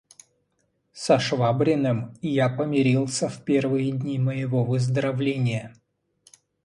Со Швабриным я помирился в первые дни моего выздоровления.